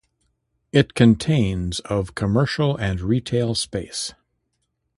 It contains of commercial and retail space.